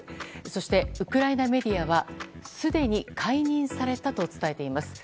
そして、ウクライナメディアはすでに解任されたと伝えています。